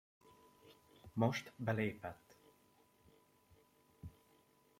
Most belépett.